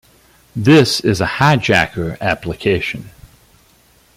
This is a hijacker application.